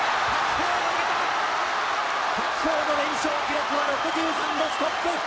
白鵬の連勝記録は６３でストップ。